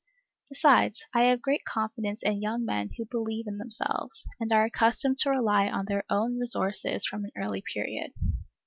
Besides, I have great confidence in young men who believe in themselves, and are accustomed to rely on their own resources from an early period.